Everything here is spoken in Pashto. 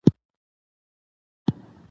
عامه منابع باید عادلانه وکارول شي.